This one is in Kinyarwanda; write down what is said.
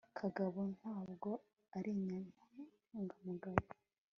kagabo ntabwo arinyangamugayo